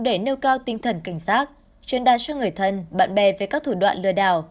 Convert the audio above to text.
để nêu cao tinh thần cảnh sát chuyên đạt cho người thân bạn bè về các thủ đoạn lừa đảo